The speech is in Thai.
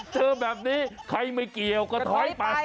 เจอแบบนี้ใครไม่เกี่ยวก็ถอยไป